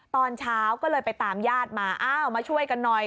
ตอนเช้าก็เลยไปตามญาติมาอ้าวมาช่วยกันหน่อย